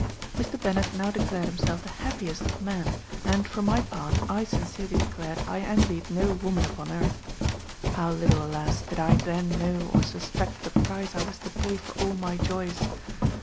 "Mr. Bennet now declared himself the happiest of men; and, for my part, I sincerely declared I envied no woman upon earth. How little, alas! did I then know or suspect the price I was to pay for all my joys!